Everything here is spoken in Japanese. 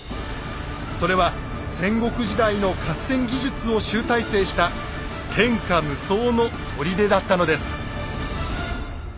それは戦国時代の合戦技術を集大成した天下無双の砦だったのです。